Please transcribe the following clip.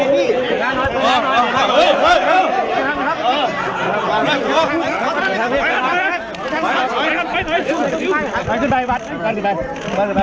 นั่งไม่ต้องครับไม่ต้องไม่ต้องครับ